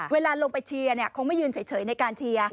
เวลาลงไปเชียร์คงไม่ยืนเฉยในการเชียร์